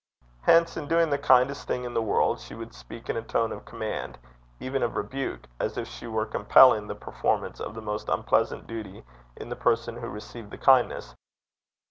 Hence, in doing the kindest thing in the world, she would speak in a tone of command, even of rebuke, as if she were compelling the performance of the most unpleasant duty in the person who received the kindness.